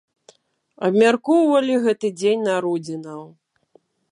Абмяркоўвалі гэты дзень народзінаў.